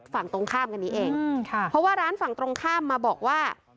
ฝั่งตรงข้ามกันนี้เองค่ะเพราะว่าร้านฝั่งตรงข้ามมาบอกว่า